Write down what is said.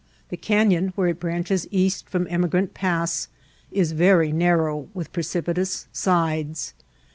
The canyon, where it branches east from Emigrant Pass, is very narrow with precipitous sides.